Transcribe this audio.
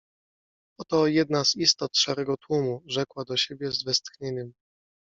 — Oto jedna z istot szarego tłumu — rzekła do siebie z westchnieniem.